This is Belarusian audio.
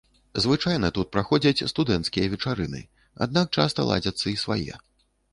Звычайна тут праходзяць студэнцкія вечарыны, аднак часта ладзяцца і свае.